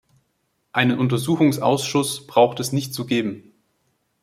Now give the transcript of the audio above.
Einen Untersuchungsausschuss braucht es nicht zu geben.